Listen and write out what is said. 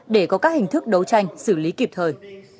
để có các hình thức đấu tranh xử lý kịp thời